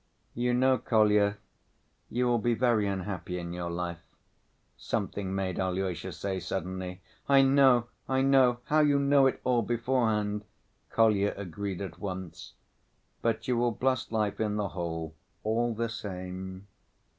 "You know, Kolya, you will be very unhappy in your life," something made Alyosha say suddenly. "I know, I know. How you know it all beforehand!" Kolya agreed at once. "But you will bless life on the whole, all the same."